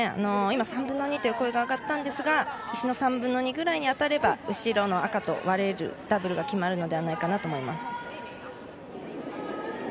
３分の２という声がかかったんですが、３分の２くらいに当たれば、後ろの赤とダブルが狙えるのではないかと思います。